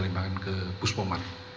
limpahkan ke buspomat